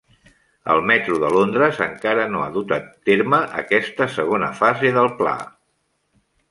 El metro de Londres encara no ha dut a terme aquesta segona fase del pla.